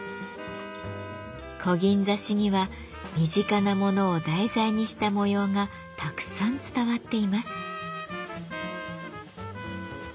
こぎん刺しには身近なものを題材にした模様がたくさん伝わっています。